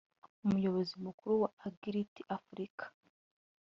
umuyobozi mukuru wa Agility Africa